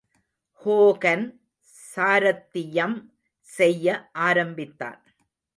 Hogan சாரத்தியம் செய்ய ஆரம்பித்தான்.